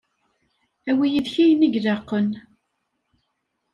Awi yid-k ayen i ilaqen.